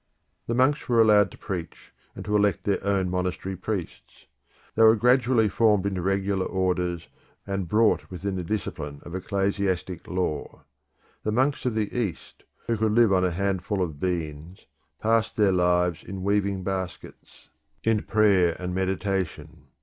The monks were allowed to preach, and to elect their own monastery priests; they were gradually formed into regular orders, and brought within the discipline of ecclesiastic law. The monks of the East, who could live on a handful of beans, passed their lives in weaving baskets, in prayer and meditation.